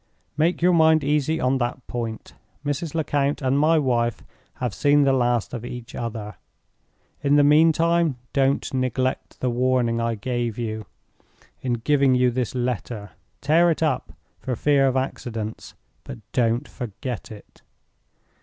Make your mind easy on that point. Mrs. Lecount and my wife have seen the last of each other. In the meantime, don't neglect the warning I give you, in giving you this letter. Tear it up, for fear of accidents, but don't forget it."